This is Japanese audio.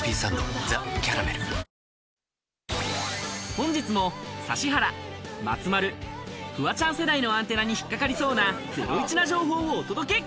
本日も指原、松丸、フワちゃん世代のアンテナに引っ掛かりそうなゼロイチな情報をお届け！